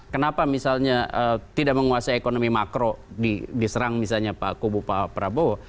kenapa misalnya tidak menguasai ekonomi makro diserang misalnya pak kubu pak prabowo